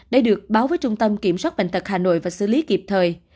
để được báo với trung tâm kiểm soát bệnh tật hà nội và xử lý kịp thời